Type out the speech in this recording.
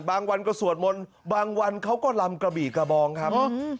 บางวันก็สวดมนต์บางวันเขาก็ลำกระบี่กระบองครับ